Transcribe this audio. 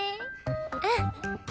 うん！